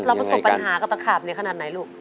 ประสบปัญหากับตะขาบในขนาดไหนลูก